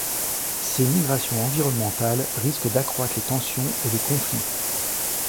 Ces migrations environnementales risquent d'accroître les tensions et les conflits.